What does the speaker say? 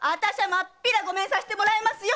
まっぴらご免させてもらいますよ！